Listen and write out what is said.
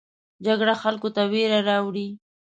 جګړه خلکو ته ویره راوړي